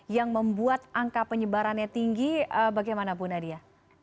yang membuat angka penyebarannya tinggi bagaimana bu nadia